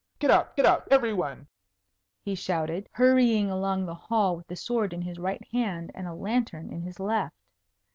Get up! Get up! Every one!" he shouted, hurrying along the hall with the sword in his right hand and a lantern in his left.